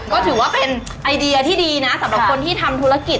ก็ถือว่าเป็นไอเดียที่ดีนะสำหรับคนที่ทำธุรกิจ